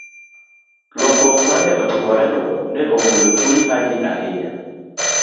Lokruok ma ne otimoreno ne omulo chuny Haji ahinya.